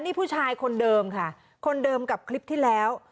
นี่ผู้ชายคนเดิมค่ะคนเดิมกับคลิปที่แล้ว